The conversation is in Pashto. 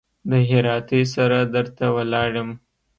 د هراتۍ سره در ته ولاړ يم.